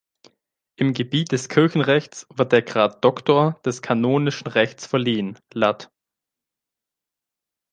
Im Gebiet des Kirchenrechts wird der Grad Doktor des kanonischen Rechts verliehen, lat.